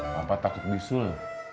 bapak takut disul